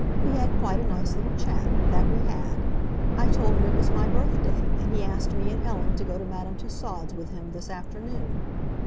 We had quite a nice little chat—that we had. I told him it was my birthday, and he asked me and Ellen to go to Madame Tussaud's with him this afternoon."